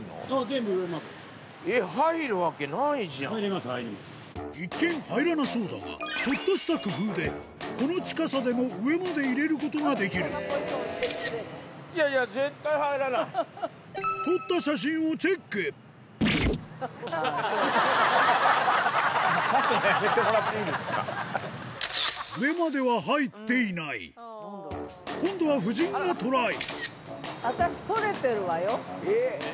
今回は一見入らなそうだがちょっとした工夫でこの近さでも上まで入れることができる撮った写真をチェック上までは入っていない今度は夫人がトライ